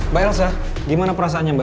mbak elsa gimana perasaannya mbak